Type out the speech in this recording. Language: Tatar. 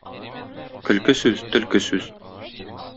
Көлке сүз — төлке сүз.